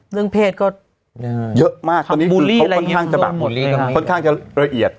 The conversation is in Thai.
เรื่องเพศก็เยอะมากตอนนี้บุญเขาค่อนข้างจะแบบค่อนข้างจะละเอียด